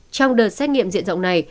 trong đợt xét nghiệm diện rộng này